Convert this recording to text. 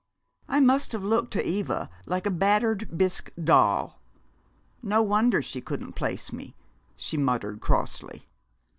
"I must have looked to Eva like a battered bisque doll no wonder she couldn't place me!" she muttered crossly.